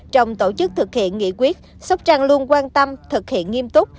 trong tổ chức thực hiện nghị quyết sóc trăng luôn quan tâm thực hiện nghiêm túc